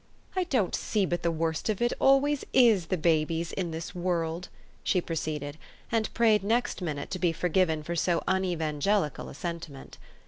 "I don't see but the worst of it always is the babies, in this world," she proceeded, and prayed next minute to be forgiven for so unevangelical a sentiment.